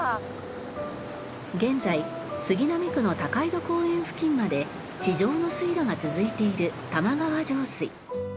現在杉並区の高井戸公園付近まで地上の水路が続いている玉川上水。